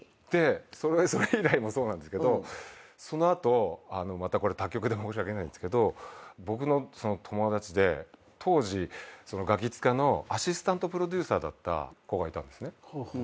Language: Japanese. それ以来もそうなんですけどその後またこれ他局で申し訳ないんですけど僕の友達で当時『ガキ使』のアシスタントプロデューサーだった子がいたんですね。